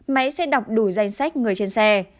máy sẽ đọc đủ danh sách người trên xe